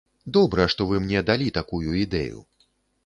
Добра, што вы мне далі такую ідэю.